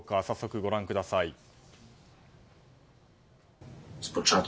早速ご覧ください。